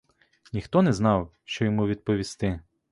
Ніхто не знав, що йому відповісти.